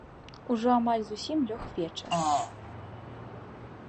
Ужо амаль зусім лёг вечар.